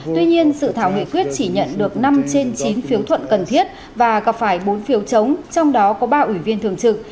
tuy nhiên sự thảo nghị quyết chỉ nhận được năm trên chín phiếu thuận cần thiết và gặp phải bốn phiếu chống trong đó có ba ủy viên thường trực